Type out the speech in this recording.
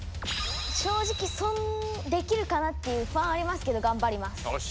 しょうじきできるかなっていう不安はありますけどがんばります。